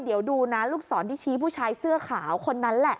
เดี๋ยวดูนะลูกศรที่ชี้ผู้ชายเสื้อขาวคนนั้นแหละ